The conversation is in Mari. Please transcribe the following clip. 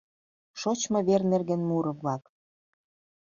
ШОЧМО ВЕР НЕРГЕН МУРО-ВЛАК.